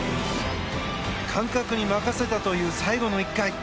感覚に任せたという最後の１回。